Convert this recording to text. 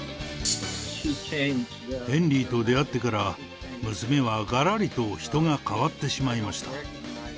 ヘンリーと出会ってから、娘はがらりと人が変わってしまいました。